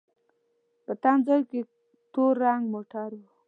په تم ځای کې تور رنګ موټر و.